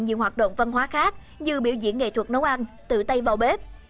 nhiều hoạt động văn hóa khác như biểu diễn nghệ thuật nấu ăn tự tay vào bếp